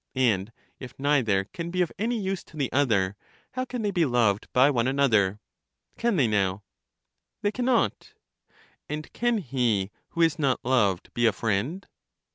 And if neither can be of any use to the other, how can they be loved by one another? Can they now? They can not. And can he who is not loved be a friend?